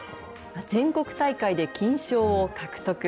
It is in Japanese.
全国大会で金賞を獲得。